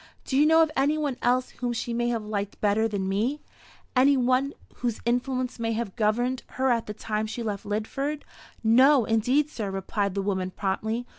Do you know of any one else whom she may have liked better than me any one whose influence may have governed her at the time she left Lidford?" "No, indeed, sir," replied the woman, promptly.